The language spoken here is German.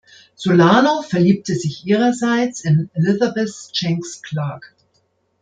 Solano verliebte sich ihrerseits in Elizabeth Jenks Clark.